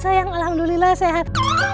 sayang alhamdulillah sehat